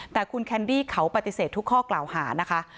แต่คุณแคนดี้เขาปฏิเสธทุกข้อกล่าวหานะคะ